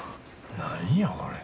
何やこれ。